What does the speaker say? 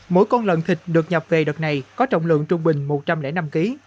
mỗi con lợn thịt được nhập về đợt này có trọng lượng trung bình một trăm linh năm kg